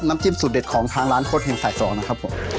น้ำจิ้มสุดเด็ดของทางร้านโฆษ์แห่งสายสองนะครับ